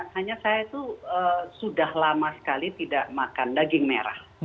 hanya saya itu sudah lama sekali tidak makan daging merah